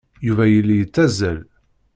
Yuba yella yetteẓẓel.